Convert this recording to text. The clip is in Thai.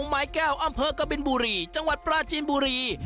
หมายแก้วอำเภอกับปริมบุรีจังหวัดประจิมบุรี